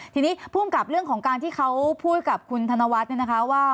ทีนี้ภูมิกับเรื่องของการที่เขาพูดกับคุณธนวัฒน์เนี่ยนะคะว่า